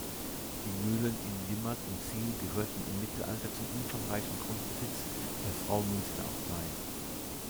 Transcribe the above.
Die Mühlen in Limmat und Sihl gehörten im Mittelalter zum umfangreichen Grundbesitz der Fraumünsterabtei.